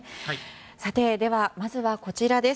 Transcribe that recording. さて、まずはこちらです。